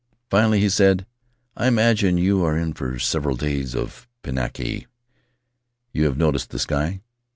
Finally he said: "I imagine you are in for several days of Pinaki. You have noticed the sky?